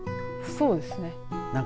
そうですね。